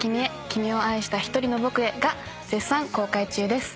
『君を愛したひとりの僕へ』が絶賛公開中です。